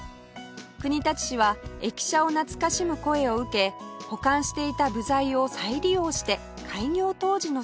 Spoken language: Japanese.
国立市は駅舎を懐かしむ声を受け保管していた部材を再利用して開業当時の姿を復元